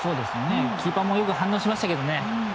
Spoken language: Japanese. キーパーもよく反応しましたけどね。